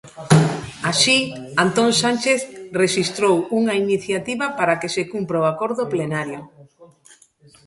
Así, Antón Sánchez rexistrou unha iniciativa para que se cumpra o acordo plenario.